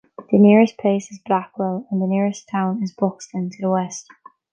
The nearest place is Blackwell and the nearest town is Buxton to the west.